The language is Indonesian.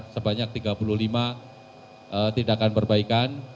sebanyak tiga puluh lima tindakan perbaikan